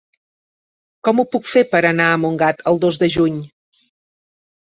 Com ho puc fer per anar a Montgat el dos de juny?